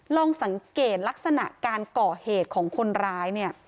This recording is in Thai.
ลองสังเกตลูกลักษณะการก่อเหตุของคนร้าย